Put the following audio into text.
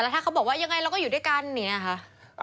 แล้วถ้าเขาบอกว่ายังไงเราก็อยู่ด้วยกันเนี่ยค่ะ